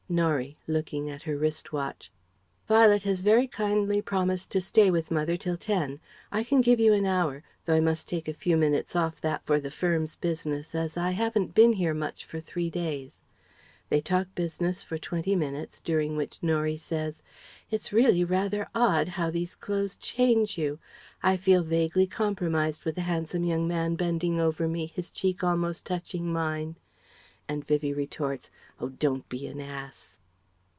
Norie (looking at her wrist watch): "Violet has very kindly promised to stay with mother till ten.... I can give you an hour, though I must take a few minutes off that for the firm's business as I haven't been here much for three days..." (They talk business for twenty minutes, during which Norie says: "It's really rather odd, how those clothes change you! I feel vaguely compromised with a handsome young man bending over me, his cheek almost touching mine!" and Vivie retorts "Oh, don't be an ass!")